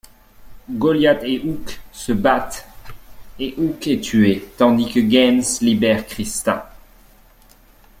Goliath et Ook se battent et Ook est tué tandis que Genz libère Krista.